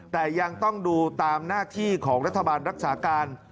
แต่ยังต้องดูตามหน้าที่ของรัฐบาลรักษาการ